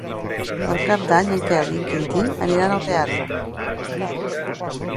Per Cap d'Any en Quel i en Quintí aniran al teatre.